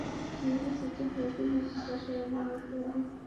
নির্বাচিত হলে তিনি ঢাকা শহরের নাগরিকদের অধিক সেবা দেবেন বলে অঙ্গীকার করেন।